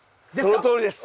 そのとおりですよ。